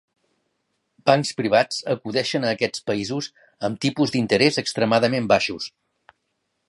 Bancs privats acudeixen a aquests països amb tipus d'interès extremadament baixos.